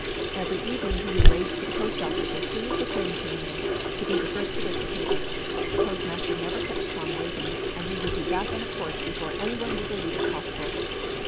Every evening he would race to the post office as soon as the train came in, to be the first to get the paper. The post master never kept Tom waiting, and he would be back on the porch before any one would believe it possible.